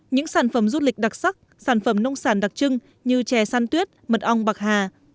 những sản phẩm du lịch đặc sắc sản phẩm nông sản đặc trưng như chè san tuyết mật ong bạc hà